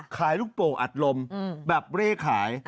ขายลูกโป่งอัดลมแบบเร่ขาย